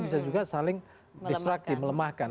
bisa juga saling destructive melemahkan